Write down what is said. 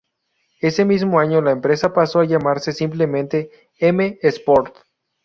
Ese mismo año la empresa pasó a llamarse simplemente M-Sport.